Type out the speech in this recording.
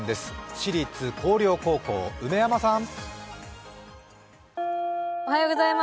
私立広陵高校、梅山さん。